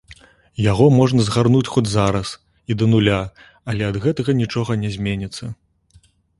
Яго можна згарнуць хоць зараз, і да нуля, але ад гэтага нічога не зменіцца.